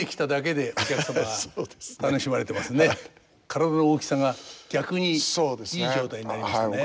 体の大きさが逆にいい状態になりましたね。